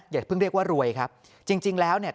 อย่าเพิ่งเรียกว่ารวยครับจริงจริงแล้วเนี่ย